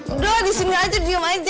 udah di sini aja diuma aja